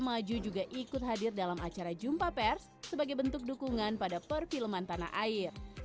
maju juga ikut hadir dalam acara jumpa pers sebagai bentuk dukungan pada perfilman tanah air